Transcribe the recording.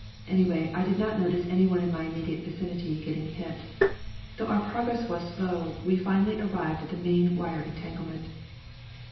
Anyway, I did not notice any one in my immediate vicinity getting hit. Though our progress was slow, we finally arrived at the main wire entanglement.